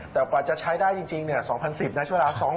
แต่กว่าจะใช้ได้จริง๒๐๑๐นะเวลา